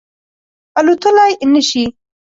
الوتلای نه شي